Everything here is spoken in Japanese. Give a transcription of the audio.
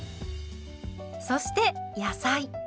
そして野菜。